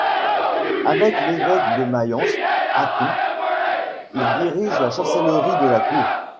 Avec l'évêque de Mayence Hatton, il dirige la chancellerie de la cour.